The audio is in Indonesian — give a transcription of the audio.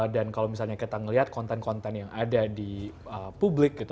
dan kalau misalnya kita ngeliat konten konten yang ada di publik gitu